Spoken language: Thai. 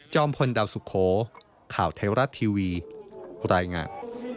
จอมพลดาวสุโขข่าวเทราะทีวีรายงาน